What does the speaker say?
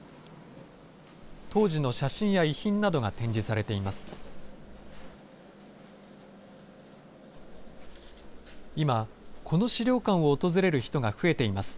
当時の写真や遺品などが展示されています。